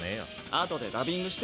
あとでダビングして。